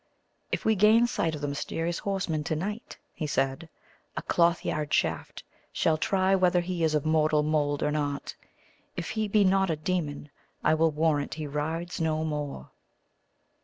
"If we gain sight of the mysterious horseman to night," he said, "a cloth yard shaft shall try whether he is of mortal mould or not. If he be not a demon, I will warrant he rides no more."